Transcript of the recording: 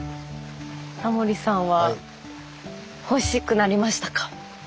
タモリさんはほしくなりましたか？